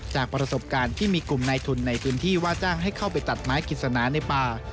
จากประสบการณ์ที่มีกลุ่มนายทุนในพื้นที่ว่าจ้างให้เข้าไปตัดไม้กิจสนาในป่า